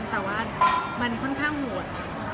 แต่ว่ามันค่อนข้างโหด